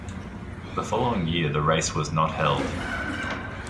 The following year the race was not held.